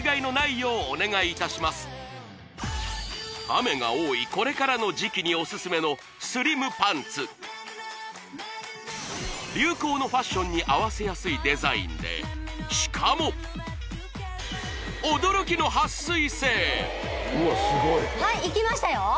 雨が多いこれからの時季にオススメのスリムパンツ流行のファッションにあわせやすいデザインでしかもはいいきましたよ